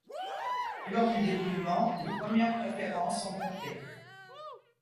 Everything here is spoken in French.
Lors du dépouillement, les premières préférences sont comptées.